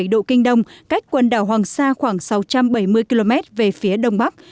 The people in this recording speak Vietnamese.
một trăm một mươi sáu bảy độ kinh đông cách quần đảo hoàng sa khoảng sáu trăm bảy mươi km về phía đông bắc